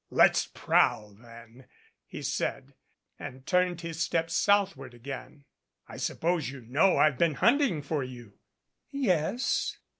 "Let's prowl then," he said, and turned his steps southward again. "I suppose you know I've been hunting for you." "Yes."